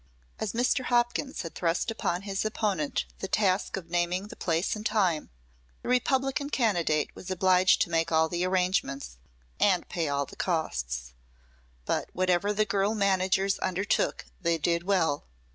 As Mr. Hopkins had thrust upon his opponent the task of naming the place and time, the Republican candidate was obliged to make all the arrangements, and pay all the costs. But whatever the girl managers undertook they did well.